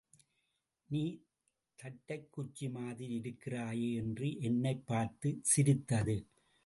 நீ தட்டைக் குச்சிமாதிரி இருக்கிறாயே என்று என்னைப் பார்த்து சிரித்தது.